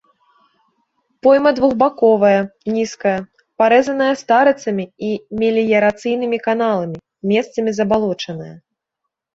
Пойма двухбаковая, нізкая, парэзаная старыцамі і меліярацыйнымі каналамі, месцамі забалочаная.